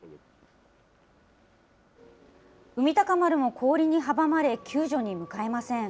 海鷹丸も氷に阻まれ、救助に向かえません。